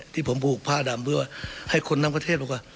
ที่ผมผูกผ้าดำเพื่อให้คนทั้งประเทศบอกว่า